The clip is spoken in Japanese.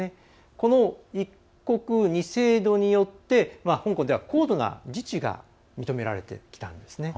この一国二制度によって香港では、高度な自治が認められてきたんですね。